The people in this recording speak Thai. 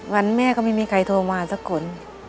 แม่ก็ไม่มีใครโทรมาสักคน